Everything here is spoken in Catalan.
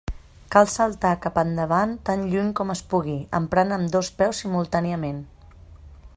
Cal saltar cap endavant tan lluny com es pugui, emprant ambdós peus simultàniament.